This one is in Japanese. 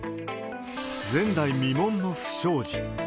前代未聞の不祥事。